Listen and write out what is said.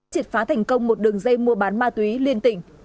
triệt phá thành công một đường dây mua bán ma túy liên tỉnh